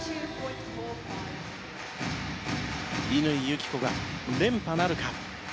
乾友紀子が連覇なるか。